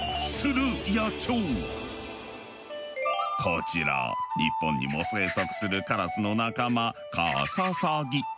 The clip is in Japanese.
こちら日本にも生息するカラスの仲間カササギ。